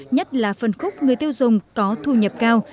nhất là phân khúc người tiêu dùng có thu nhập cao